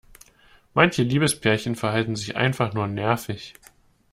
Manche Liebespärchen verhalten sich einfach nur nervig.